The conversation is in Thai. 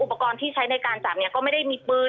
อุปกรณ์ที่ใช้ในการจับเนี่ยก็ไม่ได้มีปืน